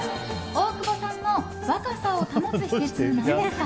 大久保さんの若さを保つ秘訣は何ですか？